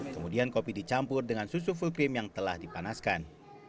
kemudian kopi dicampur dengan susu full cream yang telah dipanaskan